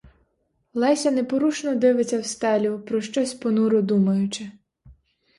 Леся непорушно дивиться в стелю, про щось понуро думаючи.